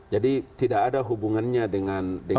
jadi tidak ada hubungannya dengan